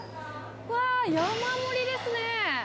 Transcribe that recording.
わー、山盛りですね。